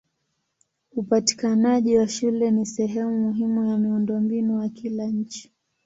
Upatikanaji wa shule ni sehemu muhimu ya miundombinu wa kila nchi.